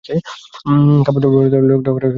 কাপড়চোপড় খুলে ন্যাংটো করে সবাইকে ছেড়ে দেবে।